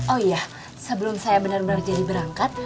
oh iya sebelum saya benar benar jadi berangkat